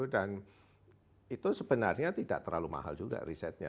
dan itu sebenarnya tidak terlalu mahal juga risetnya